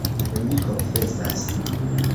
Mi konfesas.